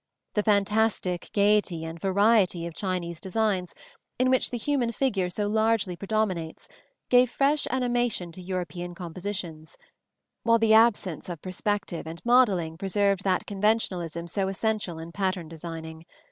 The fantastic gaiety and variety of Chinese designs, in which the human figure so largely predominates, gave fresh animation to European compositions, while the absence of perspective and modelling preserved that conventionalism so essential in pattern designing.